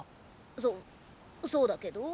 そそうだけど？